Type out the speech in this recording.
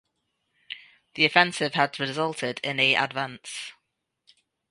The offensive had resulted in a advance.